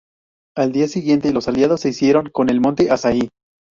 Al día siguiente los aliados se hicieron con el monte Asahi.